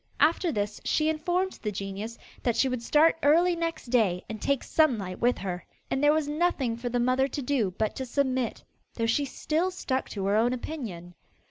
After this she informed the genius that she would start early next day and take Sunlight with her. And there was nothing for the mother to do but to submit, though she still stuck to her own opinion.